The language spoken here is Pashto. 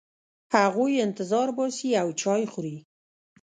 هغوی انتظار باسي او چای خوري.